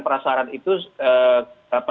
perasarat itu apa